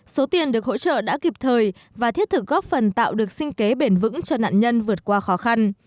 số tiền được hỗ trợ đã kịp thời và thiết thực góp phần tạo được sinh kế bền vững cho nạn nhân vượt qua khó khăn